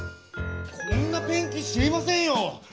こんなペンキ知りませんよ！